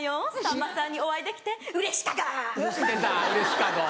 さんまさんにお会いできてうれシカゴ！